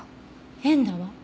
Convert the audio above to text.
変だわ。